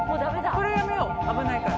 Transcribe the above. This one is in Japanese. これはやめよう危ないから。